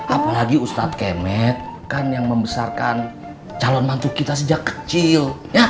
apalagi ustadz kemet kan yang membesarkan calon mantu kita sejak kecil